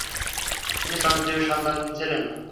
তিনি শ্রমজীবীর সন্তান ছিলেন।